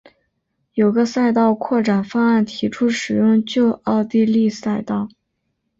有个赛道扩展方案提出使用旧奥地利赛道。